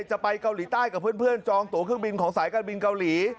จะไปเกาหลีใต้กับเพื่อนจองตัวเครื่องบินของสายการบินเกาหลี